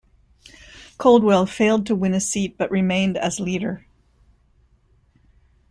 Coldwell failed to win a seat but remained as leader.